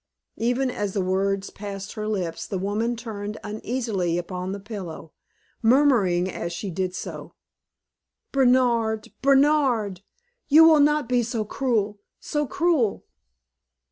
Even as the words passed her lips, the woman turned uneasily upon the pillow, murmuring as she did so: "Bernard! Bernard! You will not be so cruel so cruel!"